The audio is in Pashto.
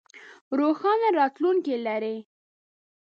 روښانه راتلوونکې لرئ